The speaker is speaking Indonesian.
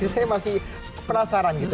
saya masih penasaran gitu